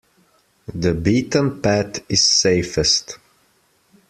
The beaten path is safest.